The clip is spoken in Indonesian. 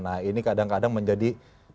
nah ini kadang kadang menjadi